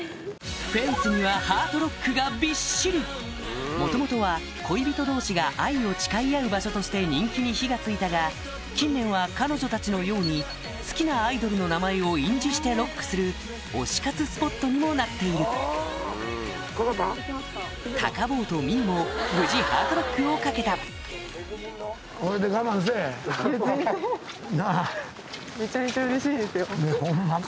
フェンスにはハートロックがびっしり元々は恋人同士が愛を誓い合う場所として人気に火が付いたが近年は彼女たちのように好きなアイドルの名前を印字してロックする推し活スポットにもなっているタカ坊とミウも無事ハートロックを掛けたホンマか？